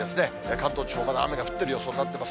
関東地方、まだ雨が降っている予想になってます。